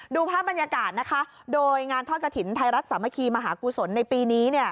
ดูภาพบรรยากาศนะคะโดยงานทอดกระถิ่นไทยรัฐสามัคคีมหากุศลในปีนี้เนี่ย